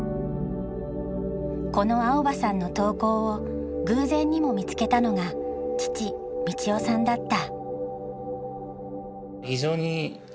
この蒼葉さんの投稿を偶然にも見つけたのが父路夫さんだった。